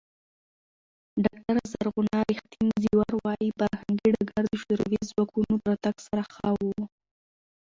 ډاکټره زرغونه ریښتین زېور وايي، فرهنګي ډګر د شوروي ځواکونو راتګ سره ښه و.